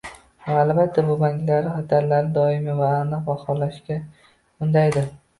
Va, albatta, bu banklarni xatarlarni doimiy va aniq baholashga undaydi